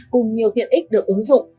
cùng nhiều tiện ích được ứng dụng